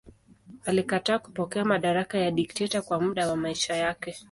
Alikataa kupokea madaraka ya dikteta kwa muda wa maisha yake.